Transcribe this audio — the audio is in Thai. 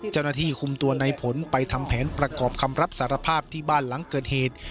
เจ้าหน้าที่คุมตัวในผลไปทำแผนประกอบคำรับสารภาพที่บ้านหลังเกิดเหตุ